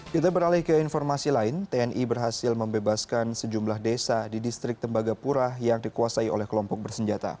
kita beralih ke informasi lain tni berhasil membebaskan sejumlah desa di distrik tembagapura yang dikuasai oleh kelompok bersenjata